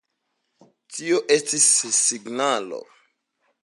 Tio estis la signalo.